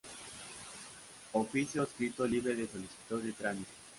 Oficio o escrito libre de solicitud de trámite.